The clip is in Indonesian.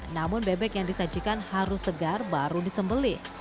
namun bebek yang disajikan harus segar baru disembelih